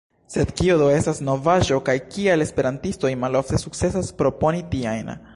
Sed kio do estas novaĵo, kaj kial esperantistoj malofte sukcesas proponi tiajn?